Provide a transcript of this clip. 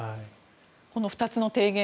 この２つの提言